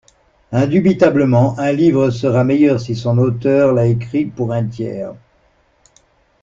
Indubitablement, un livre sera meilleur si son auteur l’a écrit pour un tiers.